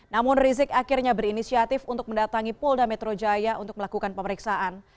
namun rizik akhirnya berinisiatif untuk mendatangi polda metro jaya untuk melakukan pemeriksaan